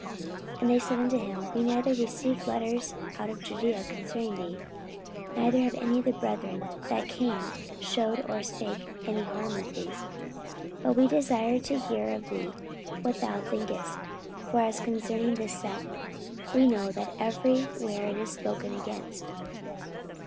44:028:021 And they said unto him, We neither received letters out of Judaea concerning thee, neither any of the brethren that came shewed or spake any harm of thee. 44:028:022 But we desire to hear of thee what thou thinkest: for as concerning this sect, we know that every where it is spoken against.